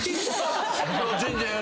全然。